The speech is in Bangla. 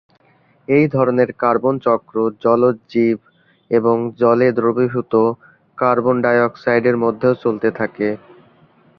একই ধরনের কার্বন চক্র জলজ জীব এবং জলে দ্রবীভূত কার্বন ডাই অক্সাইডের মধ্যেও চলতে থাকে।